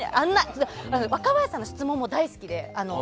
若林さんの質問も大好きで。